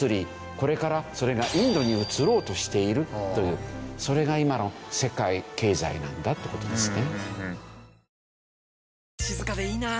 これからそれがインドに移ろうとしているというそれが今の世界経済なんだって事ですね。